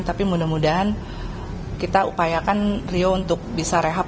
tapi mudah mudahan kita upayakan rio untuk bisa rehab